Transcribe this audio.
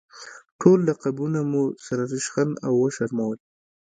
ټول لقبونه مو سره ریشخند او وشرمول.